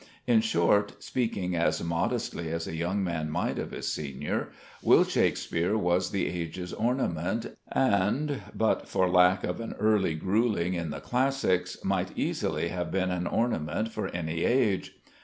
In short, speaking as modestly as a young man might of his senior, Will Shakespeare was the age's ornament and, but for lack of an early gruelling in the classics, might easily have been an ornament for any age.